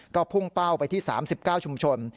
ก็พุ่งเป้าไปที่๓๙ชุมชน